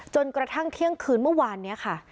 จนกระทั่งเที่ยงคืนเมื่อวานนี้ค่ะ